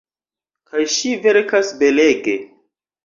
Kaj ŝi verkas belege.